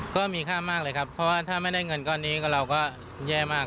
ก็มีค่ามากเลยครับเพราะว่าถ้าไม่ได้เงินก้อนนี้เราก็แย่มาก